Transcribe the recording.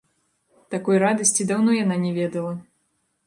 Такой радасці даўно яна не ведала.